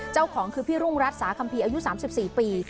เจ้าของคือพี่รุ่งรัฐสาคัมภีร์อายุ๓๔ปี